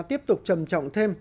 tiếp tục trầm trọng thêm